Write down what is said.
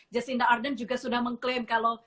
jacinda ardern juga sudah mengklaim kalau